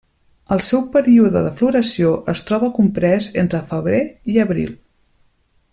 El seu període de floració es troba comprés entre febrer i abril.